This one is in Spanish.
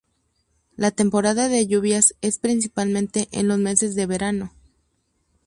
La temporada de lluvias es principalmente en los meses de verano.